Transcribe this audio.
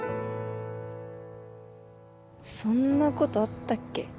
そんなことあったっけ？